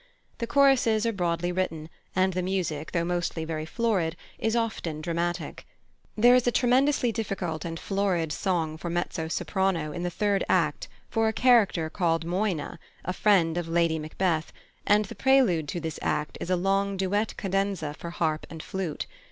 The choruses are broadly written, and the music, though mostly very florid, is often dramatic. There is a tremendously difficult and florid song for mezzo soprano in the third act for a character called Moina, a friend of Lady Macbeth, and the prelude to this act is a long duet cadenza for harp and flute.